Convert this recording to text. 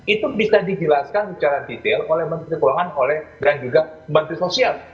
itu bisa dijelaskan secara detail oleh menteri keuangan dan juga menteri sosial